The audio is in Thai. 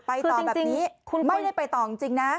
ไปต่อแบบนี้ไม่ได้ไปต่อจริงนะ